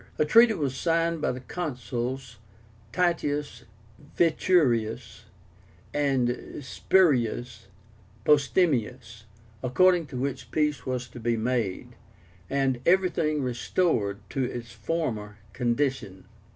A treaty was signed by the Consuls Titus Veturius and Spurius Postumius, according to which peace was to be made, and everything restored to its former condition.